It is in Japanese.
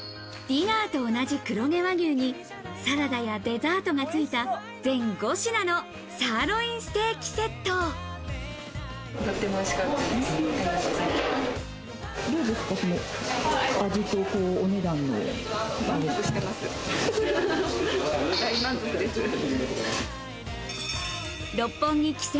ディナーと同じ黒毛和牛にサラダやデザートがついた、全５品のサーロインステーキセッとても美味しかったです。